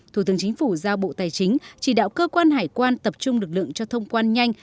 thủ tướng chính phủ giao bộ tài chính chỉ đạo cơ quan hải quan tập trung lực lượng cho thông quan nhanh